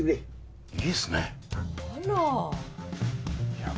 いや。